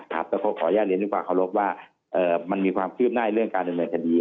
ก็ขออนุญาตในความขอรบว่ามันมีความคลิบหน้าในเรื่องการดำเนินทะดี